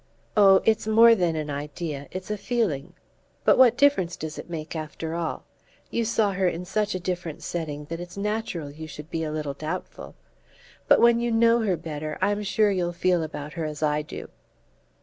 "Oh, it's more than an idea it's a feeling. But what difference does it make, after all? You saw her in such a different setting that it's natural you should be a little doubtful. But when you know her better I'm sure you'll feel about her as I do."